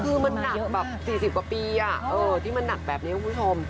คือมันหนักแบบ๔๐กว่าปีที่มันหนักแบบนี้คุณผู้ชม